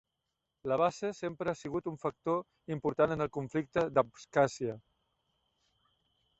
La base sempre ha sigut un factor important en el conflicte d'Abkhàzia.